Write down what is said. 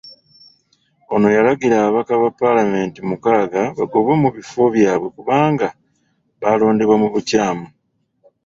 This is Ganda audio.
Eno yalagira ababaka ba Paalamenti mukaaga bagobwe mu bifo byabwe kubanga baalondebwa mu bukyamu.